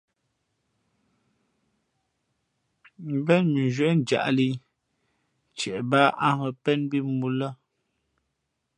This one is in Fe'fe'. ̀mbén mʉnzhwē njāʼlī ntie bāā ǎ hᾱ pēn mbí mōō lά.